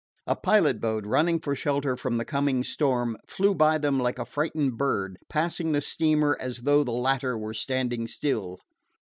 A pilot boat, running for shelter from the coming storm, flew by them like a frightened bird, passing the steamer as though the latter were standing still.